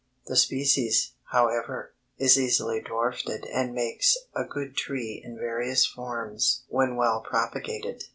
The species, however, is easily dwarfed and makes a good tree in various forms when well propagated.